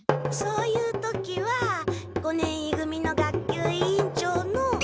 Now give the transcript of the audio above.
そういう時は五年い組の学級委員長の。